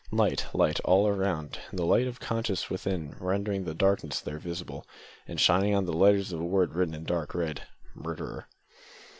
Light, light! all round, and the light of conscience within rendering the darkness there visible, and shining on the letters of a word written in dark red "Murderer!"